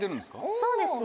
そうですね。